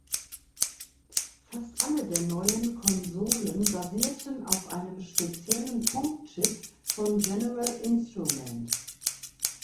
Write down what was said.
Fast alle der neuen Konsolen basierten auf einem speziellen Pong-Chip von General Instrument.